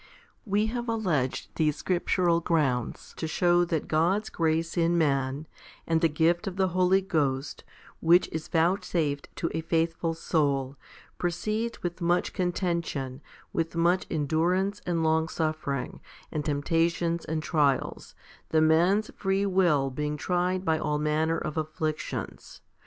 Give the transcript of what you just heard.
7. We have alleged these scriptural grounds to show that God's grace in man, and the gift of the Holy Ghost, which is vouchsafed to a faithful soul, proceeds with much contention, with much endurance and longsuffering, and temptations and trials, the man's free will being tried by all manner of afflictions.